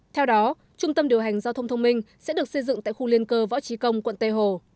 theo đó trung tâm điều hành giao thông thông minh sẽ được xây dựng tại khu liên cơ võ trí công quận tây hồ